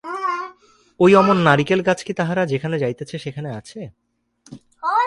ওই অমন নারিকেল গাছ কি তাহারা যেখানে যাইতেছে সেখানে আছে?